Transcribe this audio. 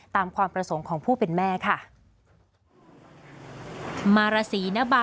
ความประสงค์ของผู้เป็นแม่ค่ะ